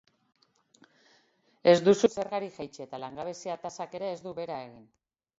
Ez duzu zergarik jaitsi eta langabezia-tasak ere ez du bera egin.